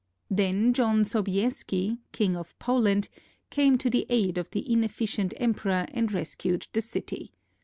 Then John Sobieski, King of Poland, came to the aid of the ineflEcient Emperor and rescued the city.